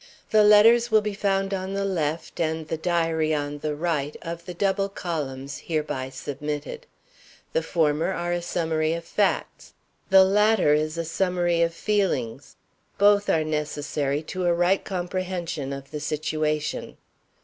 The letters will be found on the left, and the diary on the right, of the double columns hereby submitted. The former are a summary of facts; the latter is a summary of feelings. Both are necessary to a right comprehension of the situation.